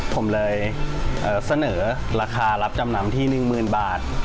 ผมเลยเสนอราคารับจำนำที่๑๐๐๐บาท